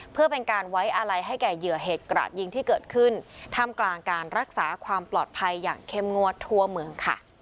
เพื่อเป็นการไว้อาลัยให้แก่เหยื่อเหตุกระดยิงที่เกิดขึ้นท่ามกลางการรักษาความปลอดภัยอย่างเข้มงวดทั่วเมืองค่ะ